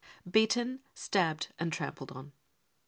Beaten* Stabbed and Trampled on.